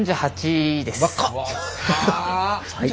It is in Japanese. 若っ。